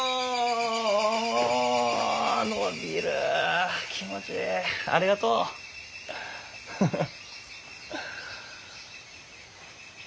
あ伸びる気持ちいいありがとう。フフッ。